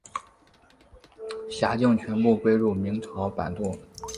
辖境全部归入明朝版图。